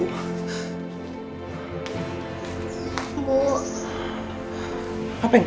bu ibu dimana